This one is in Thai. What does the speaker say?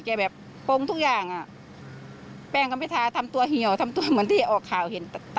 แบบโปรงทุกอย่างอ่ะแป้งก็ไม่ทาทำตัวเหี่ยวทำตัวเหมือนที่ออกข่าวเห็น